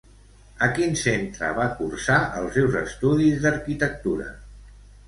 A quin centre va cursar els seus estudis d'arquitectura?